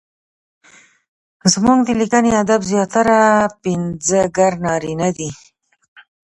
زموږ د ليکني ادب زياتره پنځګر نارينه دي؛